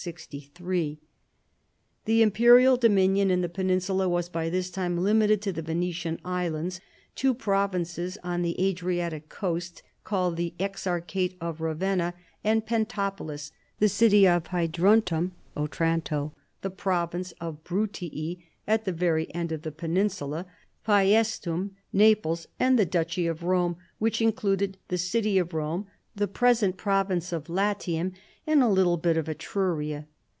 Tlie Imperial dominion in the peninsula was by this time limited to the Venetian islands, two provinces on the Adriatic coast called the Exarchate of Ra venna and the Pentapolis, the city of Ilydruntum (Otranto), the province of Bruttii at the very end of the jDeninsula, Paestum, Naples and the duchy of Rome, which included the city of Rome, the present province of Latium and a little bit of Ktruria.